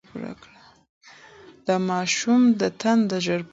د ماشوم د تنده ژر پوره کړئ.